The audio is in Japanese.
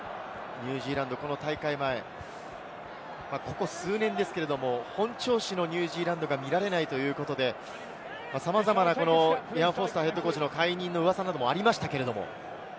ニュージーランドはこの大会前、ここ数年ですけれども、本調子のニュージーランドが見られないということで、さまざまなイアン・フォスターＨＣの解任のうわさもありました。